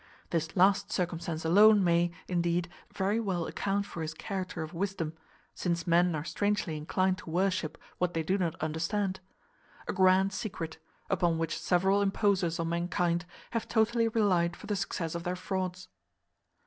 This last circumstance alone may, indeed, very well account for his character of wisdom; since men are strangely inclined to worship what they do not understand. A grand secret, upon which several imposers on mankind have totally relied for the success of their frauds.